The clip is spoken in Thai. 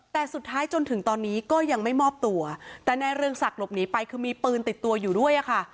แต่สุดท้ายจนถึงตอนนี้ก็ยังไม่มอบตัวแต่นายเรืองศักดิ์หลบหนีไปคือมีปืนติดตัวอยู่ด้วยอะค่ะ